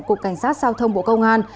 cục cảnh sát giao thông bộ công an